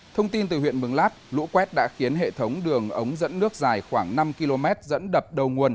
thông tin từ huyện mường lát lũ quét đã khiến hệ thống đường ống dẫn nước dài khoảng năm km dẫn đập đầu nguồn